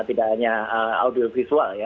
tidak hanya audio visual ya